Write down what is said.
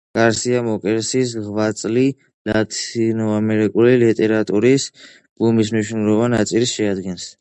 გარსია მარკესის ღვაწლი ლათინოამერიკული ლიტერატურის ბუმის მნიშვნელოვან ნაწილს შეადგენს.